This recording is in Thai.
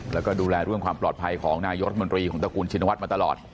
แล้วก็ดูแลเรื่องความปลอดภัยของนายกรัฐมนตรีของตระกูลชินวัฒน์มาตลอด